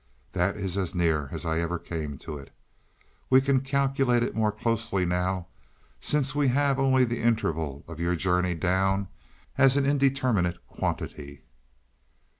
That is as near as I ever came to it. We can calculate it more closely now, since we have only the interval of your journey down as an indeterminate quantity."